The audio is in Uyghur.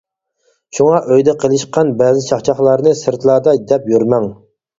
شۇڭا، ئۆيدە قىلىشقان بەزى چاقچاقلارنى سىرتلاردا دەپ يۈرمەڭ.